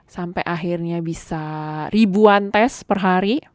sampai akhirnya bisa ribuan tes per hari